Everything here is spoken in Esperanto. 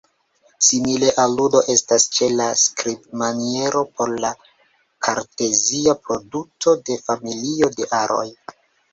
Simile aludo estas ĉe la skribmaniero por la kartezia produto de familio de aroj.